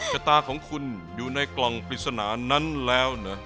ชะตาของคุณอยู่ในกล่องปริศนานั้นแล้วนะ